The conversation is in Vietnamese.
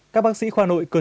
các bác sĩ khoa nội cơ thể